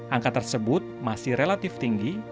angka tersebut masih relatif tinggi